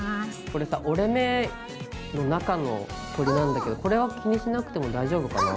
これさ折れ目の中の鳥なんだけどこれは気にしなくても大丈夫かな？